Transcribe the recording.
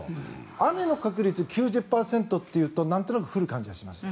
雨の確率９０％というとなんとなく降る感じがします。